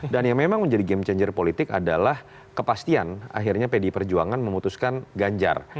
dan yang memang menjadi game changer politik adalah kepastian akhirnya pdi perjuangan memutuskan ganjar